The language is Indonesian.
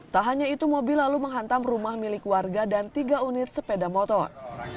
tak hanya itu mobil lalu menghantam rumah milik warga dan tiga unit sepeda motor